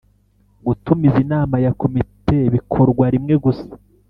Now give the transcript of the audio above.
Gutumiza inama ya komite bikorwa rimwe gusa